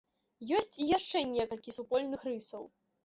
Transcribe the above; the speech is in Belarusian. Ёсць і яшчэ некалькі супольных рысаў.